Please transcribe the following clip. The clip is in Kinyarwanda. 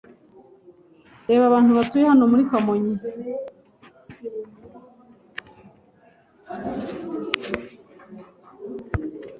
Reba abantu batuye hano muri Kamonyi